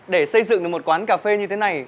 để xây dựng được một quán cà phê như thế này